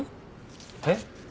えっ？